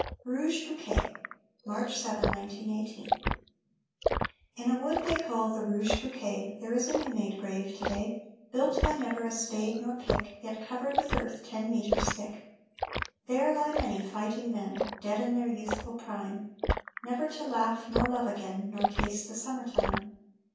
ROUGE BOUQUET [March 7, 1918] In a wood they call the Rouge Bouquet There is a new made grave to day, Built by never a spade nor pick Yet covered with earth ten metres thick. There lie many fighting men, Dead in their youthful prime, Never to laugh nor love again Nor taste the Summertime.